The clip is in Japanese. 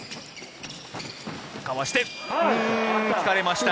かわして、突かれました。